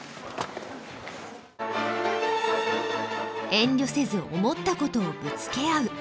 遠慮せず思ったことをぶつけ合う。